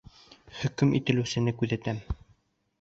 Хөкөм ителеүсене күҙәтәм.